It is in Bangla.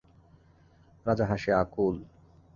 রাজা হাসিয়া আকুল।